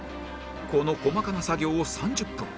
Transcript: この細かな作業を３０分